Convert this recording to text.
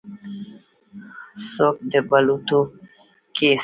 څوک د بلوطو کپس